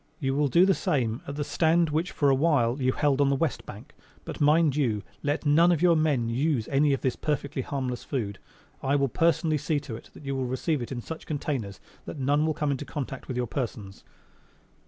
You will do the same at the stand which for a while you held on the west bank. But, mind you, let none of your men use any of this perfectly harmless food. I will personally see to it that you will receive it in such containers that none will come in contact with your persons."